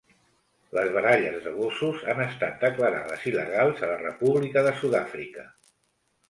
Les baralles de gossos han estat declarades il·legals a la República de Sud-àfrica.